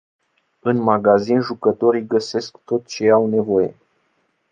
În magazin jucătorii găsesc tot ce au nevoie.